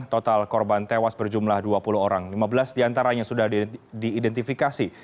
total korban tewas berjumlah dua puluh orang lima belas diantaranya sudah diidentifikasi